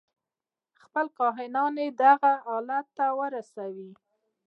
خپل گناهونه ئې دغه حالت ته ورسوي.